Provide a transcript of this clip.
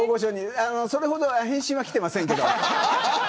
それほど返信はきてないけど。